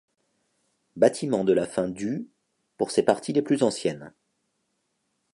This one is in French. Bâtiment de la fin du pour ses parties les plus anciennes.